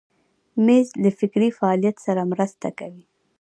مېز له فکري فعالیت سره مرسته کوي.